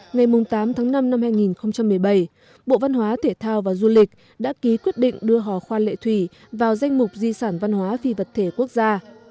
ngày tám tháng năm năm hai nghìn một mươi bảy bộ văn hóa thể thao và du lịch đã ký quyết định đưa hò khoa lệ thủy vào danh mục di sản văn hóa phi vật thể quốc gia